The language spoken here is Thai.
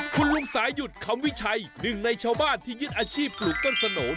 คุณลุงสายุดคำวิชัยหนึ่งในชาวบ้านที่ยึดอาชีพปลูกต้นสโน